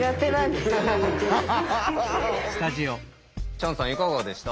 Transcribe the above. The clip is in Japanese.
チャンさんいかがでした？